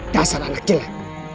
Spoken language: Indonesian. dasar anak jelan